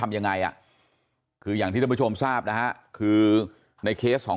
ยังไงอ่ะคืออย่างที่ท่านผู้ชมทราบนะฮะคือในเคสของ